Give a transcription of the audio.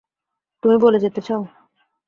তুমি বলে যেতে চাও?